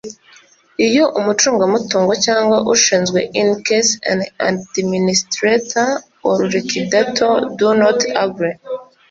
Iyo umucungamutungo cyangwa ushinzwe In case an administrator or liquidator do not agree